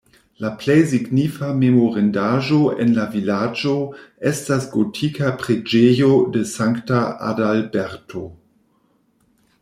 La plej signifa memorindaĵo en la vilaĝo estas gotika preĝejo de Sankta Adalberto.